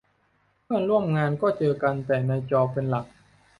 เพื่อนร่วมงานก็เจอกันแต่ในจอเป็นหลัก